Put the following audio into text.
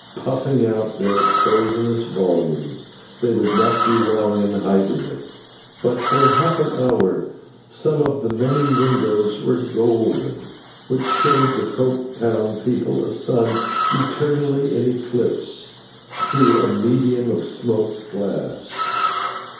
Puffing out their poisonous volumes, they would not be long in hiding it; but, for half an hour, some of the many windows were golden, which showed the Coketown people a sun eternally in eclipse, through a medium of smoked glass.